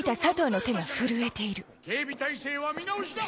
警備体制は見直しだ！